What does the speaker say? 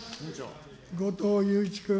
後藤祐一君。